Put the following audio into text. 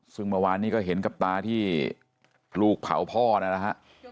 ซึ่งเมื่อวานนี้ก็เห็นกับตาที่ลูกเผาพ่อนะฮะ